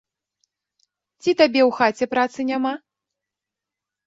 Ці табе ў хаце працы няма?